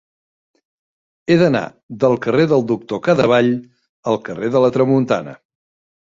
He d'anar del carrer del Doctor Cadevall al carrer de la Tramuntana.